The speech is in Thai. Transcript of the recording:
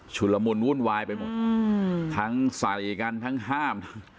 ละมุนวุ่นวายไปหมดทั้งใส่กันทั้งห้าม